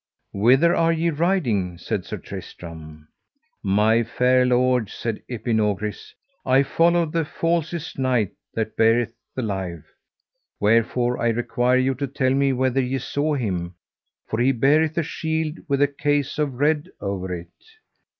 Whither are ye riding? said Sir Tristram. My fair lords, said Epinogris, I follow the falsest knight that beareth the life; wherefore I require you tell me whether ye saw him, for he beareth a shield with a case of red over it.